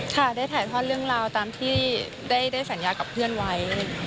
ค่ะได้ถ่ายทอดเรื่องราวตามที่ได้สัญญากับเพื่อนไว้